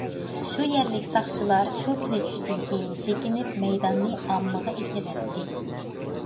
شۇ يەرلىك ساقچىلار شۇ كۈنى چۈشتىن كېيىن چېكىنىپ، مەيداننى ئاممىغا ئېچىۋەتتى.